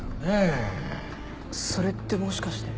それってもしかして。